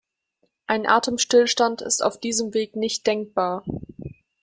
Ein Atemstillstand ist auf diesem Weg nicht denkbar.